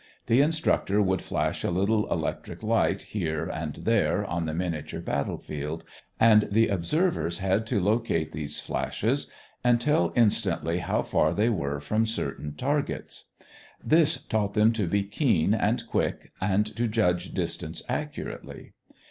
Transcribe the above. The instructor would flash a little electric light here and there on the miniature battle field, and the observers had to locate these flashes and tell instantly how far they were from certain targets. This taught them to be keen and quick and to judge distance accurately.